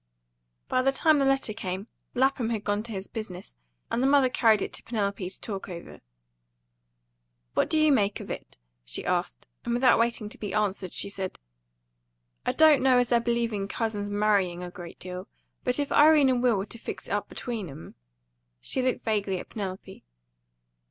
By the time this letter came, Lapham had gone to his business, and the mother carried it to Penelope to talk over. "What do you make out of it?" she asked; and without waiting to be answered she said, "I don't know as I believe in cousins marrying, a great deal; but if Irene and Will were to fix it up between 'em " She looked vaguely at Penelope.